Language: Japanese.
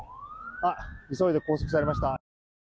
急いで拘束されました。